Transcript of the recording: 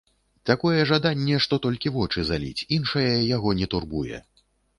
Такое жаданне, што толькі вочы заліць, іншае яго не турбуе.